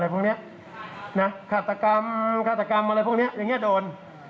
อะไรพวกเนี้ยนะขาดตะกรรมขาดตะกรรมอะไรพวกเนี้ยอย่างเงี้ยโดน